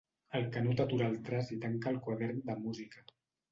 El Canut atura el traç i tanca el quadern de música.